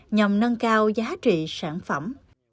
nhằm nâng cao giá trị sản phẩm